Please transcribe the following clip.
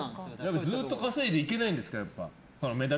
ずっと稼いでいけないんですか？